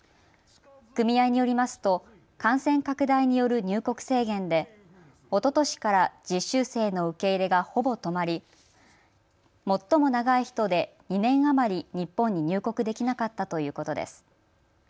組合によりますと感染拡大による入国制限でおととしから実習生の受け入れがほぼ止まり最も長い人で２年余り日本に入国できなかったということです。